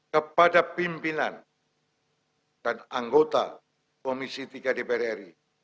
kepada pimpinan dan anggota komisi tiga dpri